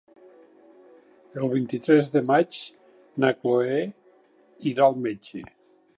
El vint-i-tres de maig na Cloè irà al metge.